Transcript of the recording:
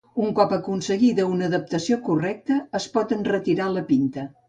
Un cop aconseguida una adaptació correcta es pot enretirar la pinta.